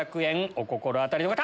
お心当たりの方！